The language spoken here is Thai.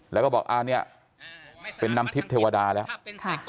แล้วก็บอกอ่าเนี่ยเป็นน้ำทิพย์เทวดาแล้ว